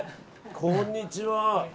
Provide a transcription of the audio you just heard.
こんにちは。